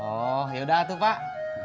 oh yaudah tuh pak